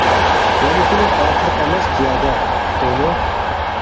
يەنە كېلىپ ئاتلىق ئەمەس پىيادە، ئۇقتۇڭمۇ!